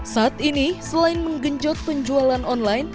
saat ini selain menggenjot penjualan online